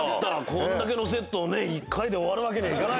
こんだけのセットを１回で終わるわけにはいかない。